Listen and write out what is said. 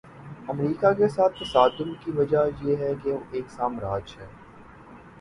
امریکہ کے ساتھ تصادم کی وجہ یہ ہے کہ وہ ایک سامراج ہے۔